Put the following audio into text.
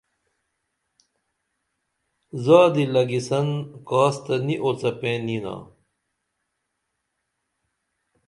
زادی لگیسن کاس تہ نی اوڅپین ینا